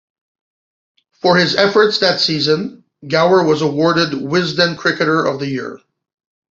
For his efforts that season, Gower was awarded Wisden Cricketer of the Year.